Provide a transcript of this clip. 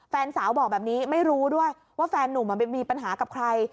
แฟนสาวบอกแบบนี้ไม่รู้ด้วยว่าแฟนนุ่มมันไปมีปัญหากับใคร